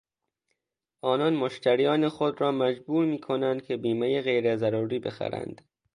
آنان مشتریان خود را مجبور میکنند که بیمهی غیرضروری بخرند.